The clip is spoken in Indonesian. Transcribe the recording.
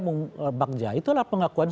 mbak gja itulah pengakuan